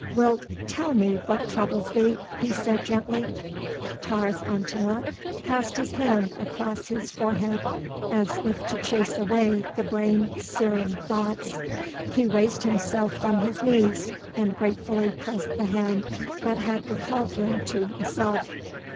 "Wilt tell me what troubles thee?" he said gently. Taurus Antinor passed his hand across his forehead as if to chase away the brain searing thoughts. He raised himself from his knees and gratefully pressed the hand that had recalled him to himself.